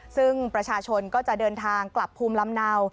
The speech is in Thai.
ซึ่งประชาชนก็จะเดินทางกลับภูมิลำเนา